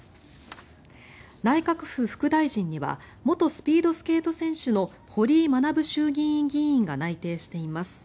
内閣府副大臣には元スピードスケート選手の堀井学衆議院議員が内定しています。